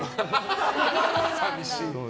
寂しい。